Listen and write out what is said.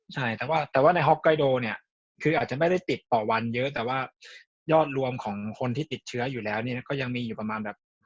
ใช่แต่ว่าในฮอกไกโดเนี่ยคืออาจจะไม่ได้ติดต่อวันเยอะแต่ว่ายอดรวมของคนที่ติดเชื้ออยู่แล้วเนี่ยก็ยังมีอยู่ประมาณแบบนั้น